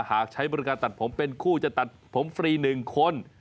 หากใช้บริการตัดผมเป็นคู่จะตัดผมฟรี๑คน